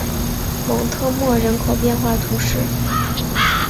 蒙特莫人口变化图示